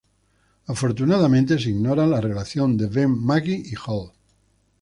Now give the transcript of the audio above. Afortunadamente, se ignora la relación de Ben, Maggie y Hal".